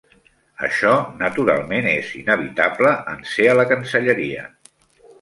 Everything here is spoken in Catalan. Això, naturalment, és inevitable, en ser a la Cancelleria.